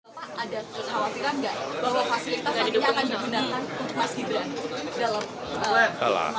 pak ada kekhawatiran nggak bahwa fasilitas hatinya akan digunakan kekuasaan dalam